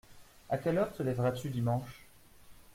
À quelle heure te lèveras-tu dimanche ?